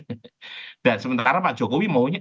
dan sementara pak jokowi maunya